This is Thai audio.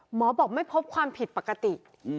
หมอบอกไม่พบความผิดปกติ